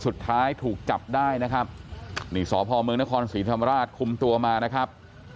สุดท้ายถูกจับได้นะครับนี่สพเมืองนครศรีธรรมราชคุมตัวมานะครับ